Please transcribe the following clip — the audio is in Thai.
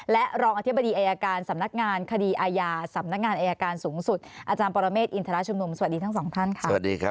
และรองอธิบดีอายการสำนักงานคดีอาญาสำนักงานอายการสูงสุดอาจารย์ปรเมฆอินทรชุมนุมสวัสดีทั้งสองท่านค่ะ